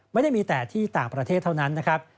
ไม่ได้มีแต่ที่ต่างประเทศเท่านั้นนะครับ